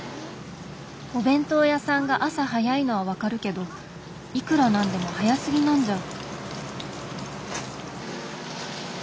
お弁当屋さんが朝早いのはわかるけどいくら何でも早すぎなんじゃ。